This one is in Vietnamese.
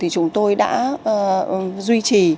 chúng tôi đã duy trì